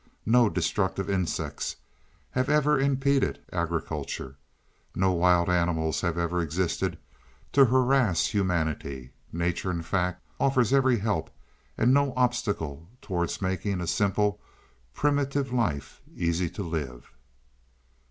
No destructive insects have ever impeded agriculture; no wild animals have ever existed to harass humanity. Nature in fact, offers every help and no obstacle towards making a simple, primitive life easy to live.